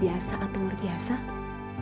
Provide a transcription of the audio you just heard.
karena kalau jadi kebanyakan ku